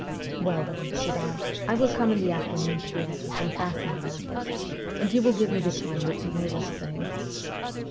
...' Well, then,' said I, ' I will come in the afternoon to the office and fasten the wrappers, and you will give me the time which you may thus save.'